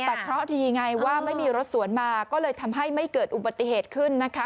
แต่เคราะห์ดีไงว่าไม่มีรถสวนมาก็เลยทำให้ไม่เกิดอุบัติเหตุขึ้นนะคะ